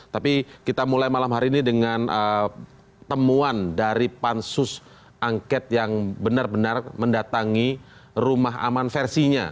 tapi kita mulai malam hari ini dengan temuan dari pansus angket yang benar benar mendatangi rumah aman versinya